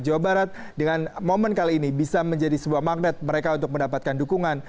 jawa barat dengan momen kali ini bisa menjadi sebuah magnet mereka untuk mendapatkan dukungan